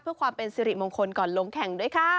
เพื่อความเป็นสิริมงคลก่อนลงแข่งด้วยค่ะ